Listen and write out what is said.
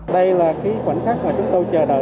đây là cái khoảnh khắc mà chúng tôi chờ đợi